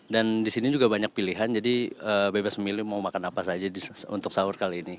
dan di sini juga banyak pilihan jadi bebas memilih mau makan apa saja untuk sahur kali ini